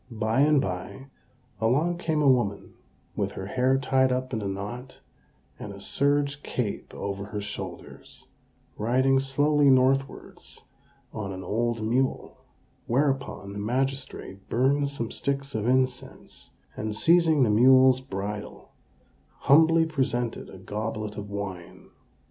By and by, along came a woman with her hair tied up in a knot, and a serge cape over her shoulders, riding slowly northwards on an old mule; whereupon the magistrate burned some sticks of incense, and, seizing the mule's bridle, humbly presented a goblet of wine.